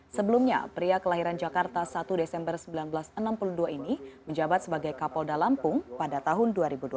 sebelumnya pria kelahiran jakarta satu desember seribu sembilan ratus enam puluh dua ini menjabat sebagai kapolda lampung pada tahun dua ribu dua belas